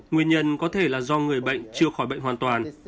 nguyên nhân có thể là do người bệnh chưa khỏi bệnh hoàn toàn